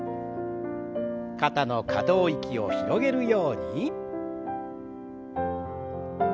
肩の可動域を広げるように。